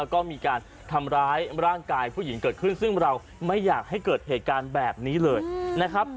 แล้วก็มีการทำร้ายร่างกายผู้หญิงเกิดขึ้นซึ่งเราไม่อยากให้เกิดเหตุการณ์แบบนี้เลยนะครับ